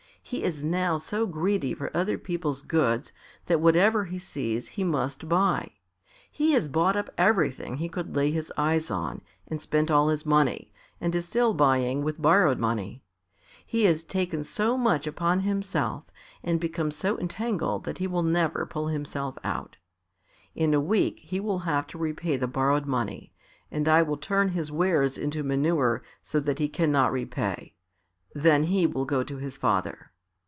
He is now so greedy for other people's goods that whatever he sees he must buy. He has bought up everything he could lay his eyes on, and spent all his money, and is still buying with borrowed money. He has taken so much upon himself, and become so entangled that he will never pull himself out. In a week he will have to repay the borrowed money, and I will turn his wares into manure so that he cannot repay, then he will go to his father."